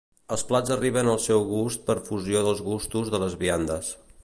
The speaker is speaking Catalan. Els plats arriben al seu gust per fusió dels gustos de les viandes